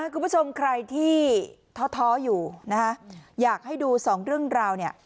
คุณผู้ชมใครที่ท้ออยู่นะคะอยากให้ดูสองเรื่องราวเนี่ย